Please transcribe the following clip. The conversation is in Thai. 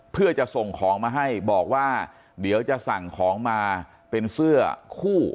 เพื่อจะส่งของมาให้บอกว่าเดี๋ยวจะสั่งของมาเป็นเสื้อคู่